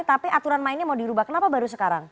tapi aturan mainnya mau dirubah kenapa baru sekarang